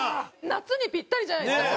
夏にぴったりじゃないですか？